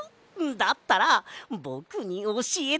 だったらぼくにおしえてよ！